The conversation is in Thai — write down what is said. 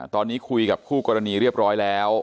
ตอนนี้คุยกับคู่กรณีเรียบร้อยแล้ว